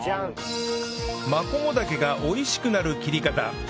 マコモダケが美味しくなる切り方